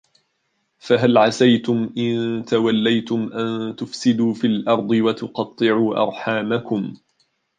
فَهَل عَسَيتُم إِن تَوَلَّيتُم أَن تُفسِدوا فِي الأَرضِ وَتُقَطِّعوا أَرحامَكُم